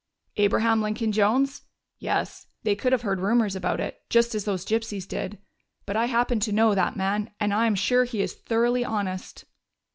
"Abraham Lincoln Jones? Yes, they could have heard rumors about it just as those gypsies did. But I happen to know that man, and I am sure he is thoroughly honest."